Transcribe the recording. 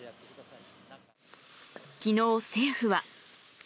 きのう、政府は。